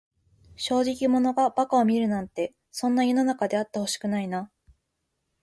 正直者が馬鹿を見るなんて、そんな世の中であってほしくないな。